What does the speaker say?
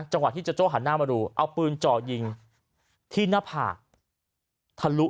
จังหวะที่โจโจหันหน้ามาดูเอาปืนเจาะยิงที่หน้าผ่าทะรุ